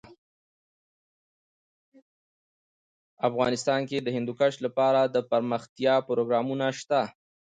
افغانستان کې د هندوکش لپاره دپرمختیا پروګرامونه شته.